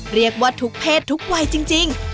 เรียกว่าทุกเพศทุกวัยจริง